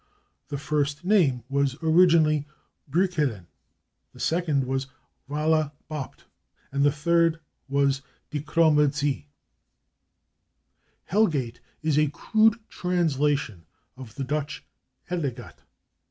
The first named was originally /Breuckelen/, the second was /Waale Bobht/, and the third was /De Kromme Zee/. /Hell Gate/ is a crude translation of the Dutch /Helle Gat